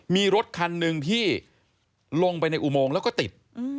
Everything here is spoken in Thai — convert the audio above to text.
มีรถคันหนึ่งที่ลงไปในอุโมงแล้วก็ติด